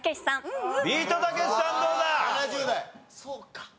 そうか。